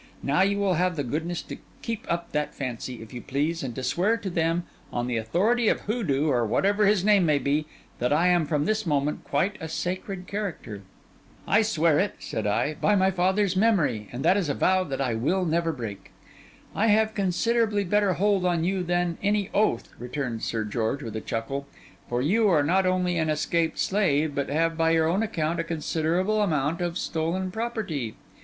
Now, you will have the goodness to keep up that fancy, if you please; and to swear to them, on the authority of Hoodoo or whatever his name may be, that I am from this moment quite a sacred character.' 'I swear it,' said I, 'by my father's memory; and that is a vow that I will never break.' 'I have considerably better hold on you than any oath,' returned Sir George, with a chuckle; 'for you are not only an escaped slave, but have, by your own account, a considerable amount of stolen property.